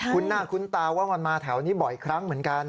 คุณหน้าคุ้นตาว่ามันมาแถวนี้บ่อยครั้งเหมือนกัน